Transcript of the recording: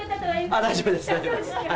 大丈夫です。